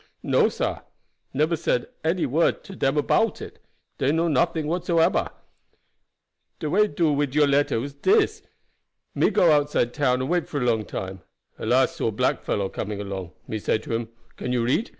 "No, sah, neber said one word to dem about it; dey know nothing whatsoeber. De way me do wid your letter was dis. Me go outside town and wait for long time. At last saw black fellow coming along. Me say to him, 'Can you read?'